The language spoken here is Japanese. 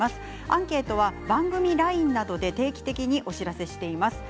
アンケートは番組ＬＩＮＥなどで定期的にお知らせしています。